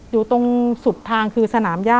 อยู่ตรงสุดทางคือสนามย่า